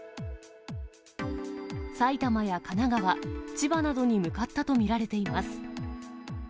埼玉や神奈川、千葉などに向かったと見られています。